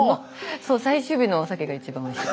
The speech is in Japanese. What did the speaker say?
そう最終日のお酒が一番おいしい。